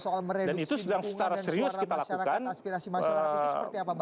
dan itu sedang secara serius kita lakukan